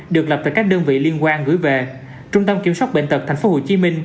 được lập tại các đơn vị liên quan gửi về trung tâm kiểm soát bệnh tật tp hcm